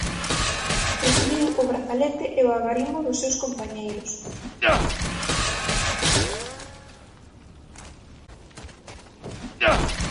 Recibiu o brazelete e o agarimo dos seus compañeiros.